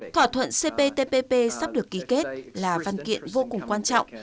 thỏa thuận cptpp sắp được ký kết là văn kiện vô cùng quan trọng